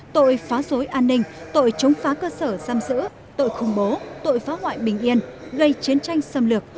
tội phá rối an ninh tội chống phá cơ sở giam giữ tội khủng bố tội phá hoại bình yên gây chiến tranh xâm lược